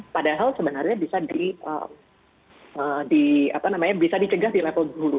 padahal sebenarnya bisa dicegah di level hulu